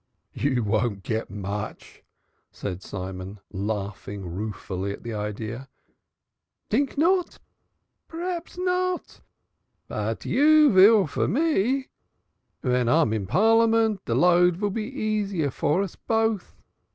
"You won't get much," said Simon, laughing ruefully at the idea. "Tink not? Praps not. But you vill for me. Ven I am in Parliament, de load vill be easier for us both.